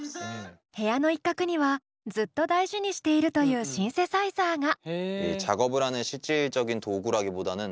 部屋の一角にはずっと大事にしているというシンセサイザーが。